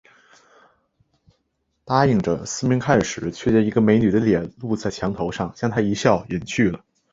答应着，四面看时，却见一个美女的脸露在墙头上，向他一笑，隐去了